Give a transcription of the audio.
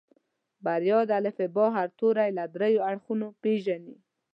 بريا د الفبا هر توری له دريو اړخونو پېژني.